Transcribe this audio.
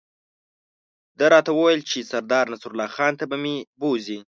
ده راته وویل چې سردار نصرالله خان ته به مې بوزي.